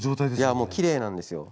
いやもうきれいなんですよ。